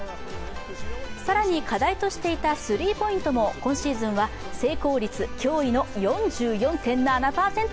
更に課題としていたスリーポイントも今シーズンは成功率、驚異の４４．７％。